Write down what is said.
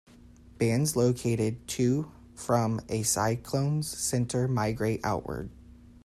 Bands located to from a cyclone's center migrate outward.